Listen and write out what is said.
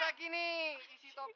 terakhir itu cuma siang loh